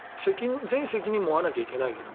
全責任も負わなきゃいけないと。